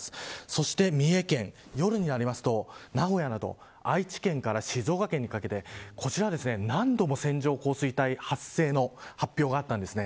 そして三重県夜になると名古屋など愛知県から静岡県にかけてこちらは何度も線状降水帯発生の発表がありました。